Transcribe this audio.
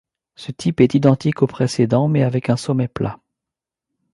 Ce type est identique au précédent mais avec un sommet plat.